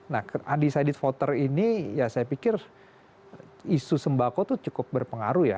nah undecided voter ini ya saya pikir isu sembako itu cukup berpengaruh ya